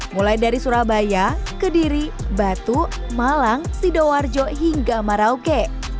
mulai dari surabaya kediri batu malang sidoarjo hingga marauke